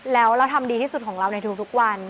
แล้วเราทำดีที่สุดของเราในทุกวัน